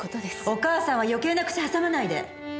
お母さんは余計な口挟まないで！